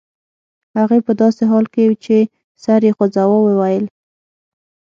هغې په داسې حال کې چې سر یې خوځاوه وویل